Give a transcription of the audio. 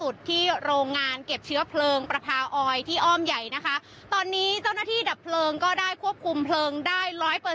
ตอนนี้เจ้าหน้าที่ดับเพลิงก็ได้ควบคุมเพลิงได้๑๐๐